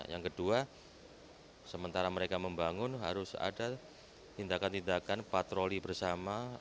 yang kedua sementara mereka membangun harus ada tindakan tindakan patroli bersama